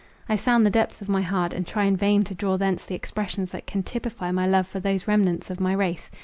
I sound the depths of my heart, and try in vain to draw thence the expressions that can typify my love for these remnants of my race.